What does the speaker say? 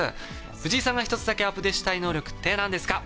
藤井さんが１つだけアプデしたい能力って、なんですか？